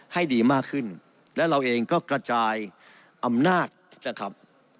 ให้ดีมากขึ้นและเราเองก็กระจายอำนาจนะครับ